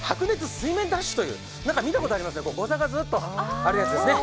水面ダッシュという、見たことありますね、ござがあるやつですね。